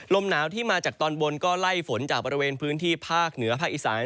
ลมหนาวที่มาจากตอนบนก็ไล่ฝนจากบริเวณพื้นที่ภาคเหนือภาคอีสาน